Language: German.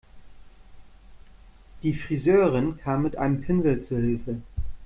Die Friseurin kam mit einem Pinsel zu Hilfe.